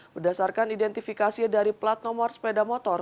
berdasarkan identifikasi dari plat nomor sepeda motor